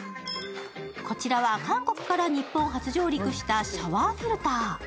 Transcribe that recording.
こちらは韓国から日本初上陸したシャワーフィルター。